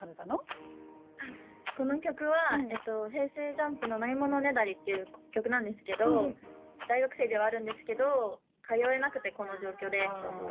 ＪＵＭＰの「ナイモノネダリ」っていう曲なんですけど大学生ではあるんですけど通えなくてこの状況で。